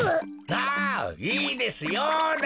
ああいいですよだっ！